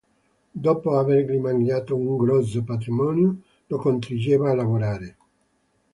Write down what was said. Dopo avergli mangiato un grosso patrimonio, lo costringeva a lavorare.